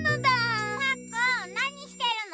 パックンなにしてるの？